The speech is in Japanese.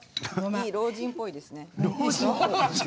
いい、老人っぽいですね。